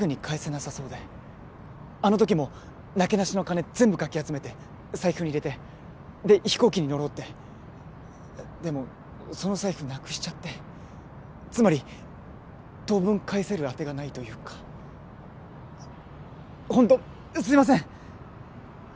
なさそうであのときもなけなしの金全部かき集めて財布に入れてで飛行機に乗ろうってでもその財布なくしちゃってつまり当分返せるアテがないというかホントすいません！